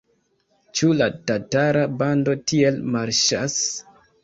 Ĉu la tatara bando tiel marŝas?